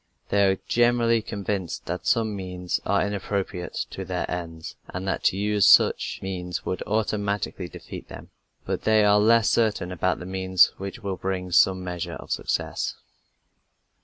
They are generally convinced that some means are inappropriate to their ends, and that to use such means would automatically defeat them; but they are less certain about the means which will bring some measure of success.